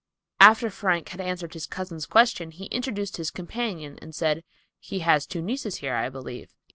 After Frank had answered his cousin's question, he introduced his companion and said, "He has two nieces here, I believe.